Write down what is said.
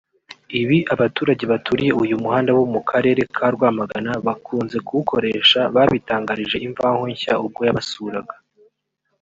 Ibi abaturage baturiye uyu muhanda bo mu karere ka Rwamagana bakunze kuwukoresha babitangarije Imvaho Nshya ubwo yabasuraga